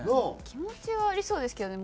気持ちはありそうですけどね